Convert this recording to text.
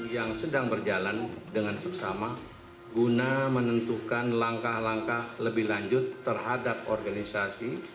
yang sedang berjalan dengan seksama guna menentukan langkah langkah lebih lanjut terhadap organisasi